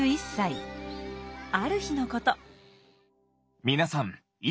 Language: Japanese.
ある日のこと。